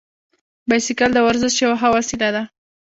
بایسکل د ورزش یوه ښه وسیله ده.